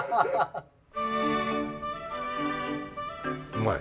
うまい。